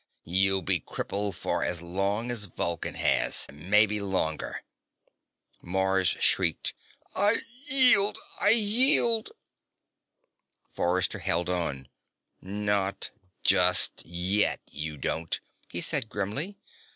You'll be crippled for as long as Vulcan has maybe longer." Mars shrieked again. "I yield! I yield!" Forrester held on. "Not just yet you don't," he said grimly.